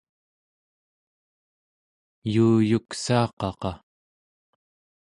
yuuyuksaaqaqa